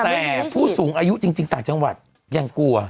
แต่ผู้สูงอายุจริงต่างจังหวัดยังกลัว